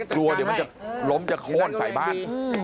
กลัวเดี๋ยวมันจะล้มจะโค้นใส่บ้าน